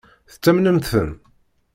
Tettamnemt-ten?